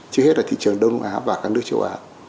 trước hết là thị trường đông á và các nước châu á